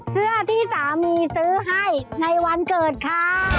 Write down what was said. เสื้อที่สามีซื้อให้ในวันเกิดค่ะ